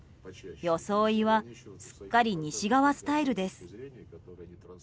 装いはすっかり西側スタイルです。